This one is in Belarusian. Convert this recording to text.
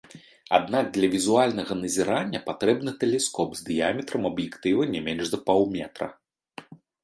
Аднак для візуальнага назірання патрэбны тэлескоп з дыяметрам аб'ектыва не менш за паўметра.